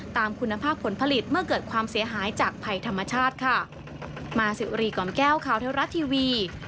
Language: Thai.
ตามคุณภาพผลผลิตเมื่อเกิดความเสียหายจากภัยธรรมชาติค่ะ